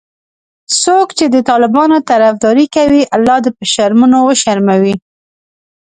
څوک چې د طالبانو طرفداري کوي الله دي په شرمونو وشرموي